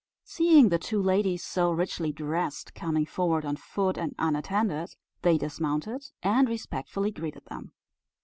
Seeing the two ladies so richly dressed, coming forward on foot and unattended, they dismounted, and respectfully greeted them.